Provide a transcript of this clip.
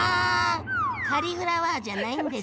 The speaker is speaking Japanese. カリフラワーじゃないんですね。